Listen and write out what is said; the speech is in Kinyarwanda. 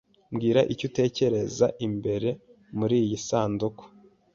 Mbwira icyo utekereza imbere muriyi sanduku.